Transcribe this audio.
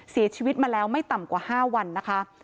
เสียชีวิตมาแล้วไม่ต่ำกว่า๕วันนะคะ